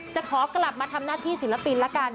จะขอกลับมาทำหน้าที่ศิลปินละกัน